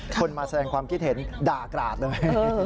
คนมาแสดงความคิดเห็นด่ากราดเลย